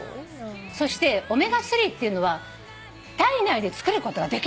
そしてオメガ３っていうのは体内でつくることができない。